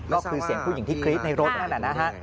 นอกคือเสียงผู้หญิงที่คลิฟต์ในรถนั้น